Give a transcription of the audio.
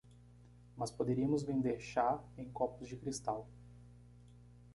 Mas poderíamos vender chá em copos de cristal.